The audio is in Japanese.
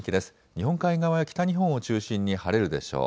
日本海側や北日本を中心に晴れるでしょう。